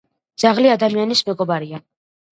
ძაღლი ადამიანის მეგობარია